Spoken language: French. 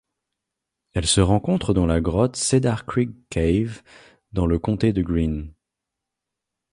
Elle se rencontre dans la grotte Cedar Creek Cave dans le comté de Greene.